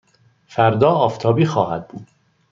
فردا آفتابی خواهد بود.